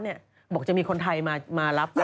บอกว่าจะมีคนไทยมารับไป